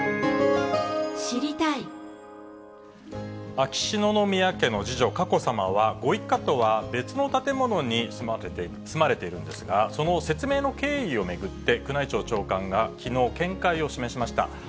秋篠宮家の次女、佳子さまは、ご一家とは別の建物に住まれているんですが、その説明の経緯を巡って、宮内庁長官がきのう、見解を示しました。